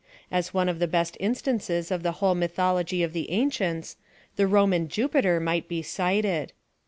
As one of the best instances in the whole mythology of the ancients, the Roman Jupiter might be cited.